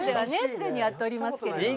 すでにやっておりますけれども。